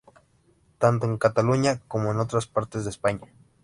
Tanto en Cataluña como en otras partes de España.